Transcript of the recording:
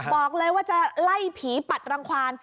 บอกเลยว่าจะไล่ผีปัดรังความ